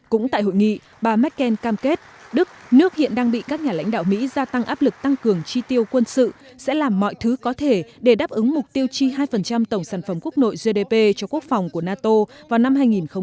cũng tại hội nghị bà merkel cam kết đức nước hiện đang bị các nhà lãnh đạo mỹ gia tăng áp lực tăng cường chi tiêu quân sự sẽ làm mọi thứ có thể để đáp ứng mục tiêu chi hai tổng sản phẩm quốc nội gdp cho quốc phòng của nato vào năm hai nghìn hai mươi